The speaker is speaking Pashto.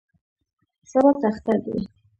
سبا ته اختر دی.